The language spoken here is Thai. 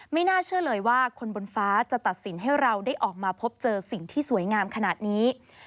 ไม่น่าเชื่อเลยว่าคนบนฟ้าจะตัดสินให้เราได้ออกมาพบเจอสิ่งที่สวยงามขนาดนี้